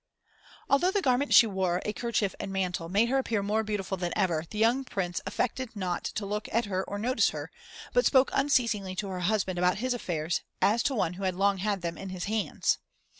Although the garments she wore, a kerchief and mantle, made her appear more beautiful than ever, the young Prince affected not to look at her or notice her, but spoke unceasingly to her husband about his affairs, as to one who had long had them in his hands.